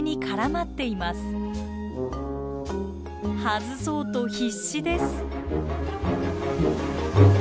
外そうと必死です。